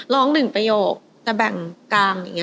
ร้องหนึ่งประโยคแต่แบ่งกลาง